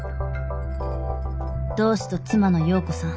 同氏と妻の葉子さん